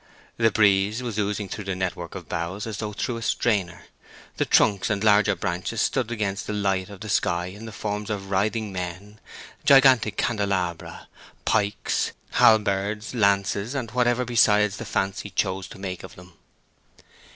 The breeze was oozing through the network of boughs as through a strainer; the trunks and larger branches stood against the light of the sky in the forms of writhing men, gigantic candelabra, pikes, halberds, lances, and whatever besides the fancy chose to make of them.